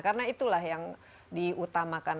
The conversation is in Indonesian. karena itulah yang diutamakan